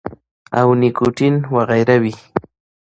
او نيکوټین وغېره وي -